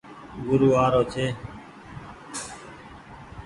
گورو آ رو ڇي۔